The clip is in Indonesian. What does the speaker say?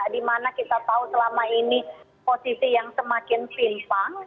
dimana kita tahu selama ini posisi yang semakin simpang